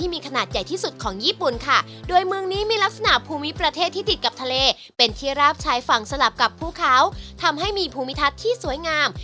เมืองนี้มีลักษณะภูมิประเทศที่ติดกับทะเลเป็นที่ราบชายฝั่งสลับกับภูเขาทำให้มีภูมิทัศน์ที่สวยงาม